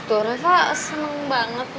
tuh reva seneng banget ma